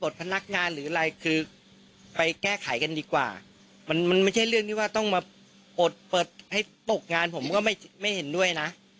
ถ้าต้องมาเปิดให้ตกงานผมก็ไม่เห็นด้วยนะ